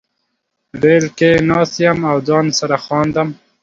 ریل کې ناست یم او ځان سره خاندم